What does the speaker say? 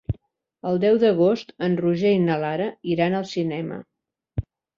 El deu d'agost en Roger i na Lara iran al cinema.